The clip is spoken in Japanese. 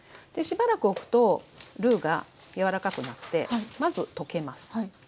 しばらくおくとルーが柔らかくなってまず溶けます。